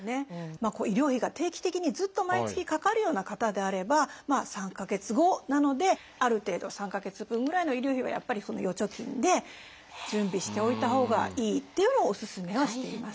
医療費が定期的にずっと毎月かかるような方であれば３か月後なのである程度３か月分ぐらいの医療費はやっぱり預貯金で準備しておいたほうがいいっていうのをおすすめはしています。